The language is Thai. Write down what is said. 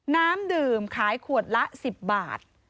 น้ำดื่มขายขวดละ๑๐บาท